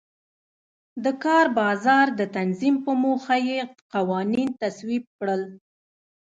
د کار بازار د تنظیم په موخه یې قوانین تصویب کړل.